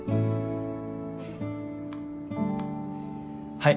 はい。